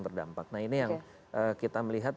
terdampak nah ini yang kita melihat